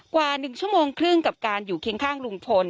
กว่า๑ชั่วโมงครึ่งกับการอยู่เคียงข้างลุงพล